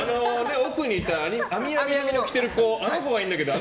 奥にいたあみあみの着てる子あの子がいいんだけど。